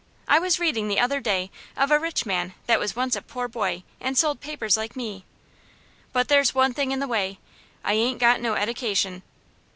I was readin' the other day of a rich man that was once a poor boy, and sold papers like me. But there's one thing in the way I ain't got no eddication."